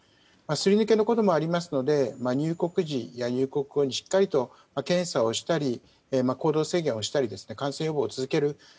すり抜けのこともありますので入国時や入国後にしっかりと検査をしたり行動制限をしたり感染予防を続ける。